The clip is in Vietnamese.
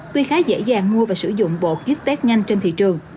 tuy khá dễ dàng mua và sử dụng bộ kit test nhanh trên thị trường